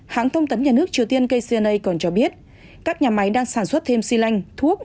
hãng thông tấn nhà nước triều tiên kcna còn cho biết các nhà máy đang sản xuất thêm xi lanh thuốc